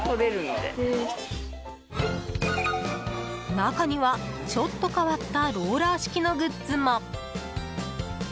中には、ちょっと変わったローラー式のグッズも。